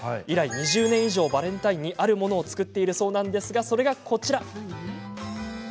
以来２０年以上バレンタインにあるものを作っているそうなんですがそれが、こちら。